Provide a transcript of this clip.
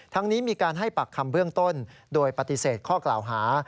นี้มีการให้ปากคำเบื้องต้นโดยปฏิเสธข้อกล่าวหา